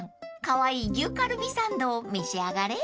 ［カワイイ牛カルビサンドを召し上がれ］